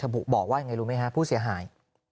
บุบอกว่ายังไงรู้ไหมฮะผู้เสียหาย